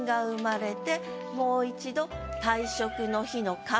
もう一度。